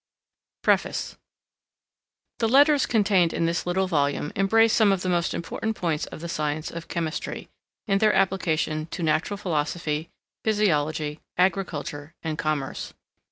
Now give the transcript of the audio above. PREFACE The Letters contained in this little Volume embrace some of the most important points of the science of Chemistry, in their application to Natural Philosophy, Physiology, Agriculture, and Commerce.